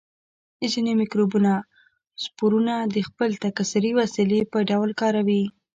ځینې مکروبونه سپورونه د خپل تکثري وسیلې په ډول کاروي.